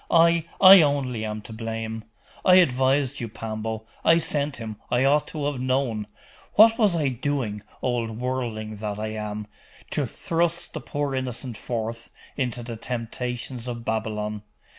I, I only am to blame. I advised you, Pambo! I sent him I ought to have known what was I doing, old worldling that I am, to thrust the poor innocent forth into the temptations of Babylon?